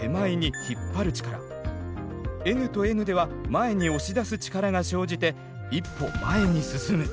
ＮとＮでは前に押し出す力が生じて一歩前に進む。